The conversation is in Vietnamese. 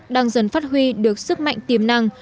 đang dần phát huy được sức mạnh tiềm năng